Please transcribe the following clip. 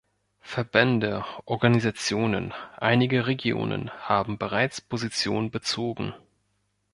Verbände, Organisationen, einige Regionen haben bereits Position bezogen.